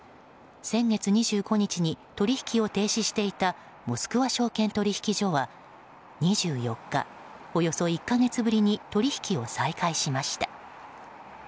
先月２５日に取引を停止していたモスクワ証券取引所は２４日、およそ１か月ぶりに取引を再開しました。